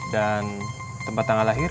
dan tempat tanggal lahir